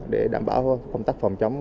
để đảm bảo công tác phòng chống